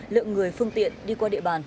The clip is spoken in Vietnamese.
lượng người phương tiện đi qua địa bàn